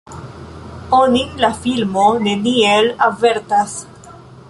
Onin la filmo neniel avertas.